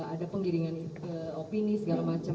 ada penggiringan opini segala macam